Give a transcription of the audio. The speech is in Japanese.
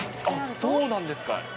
あっ、そうなんですか。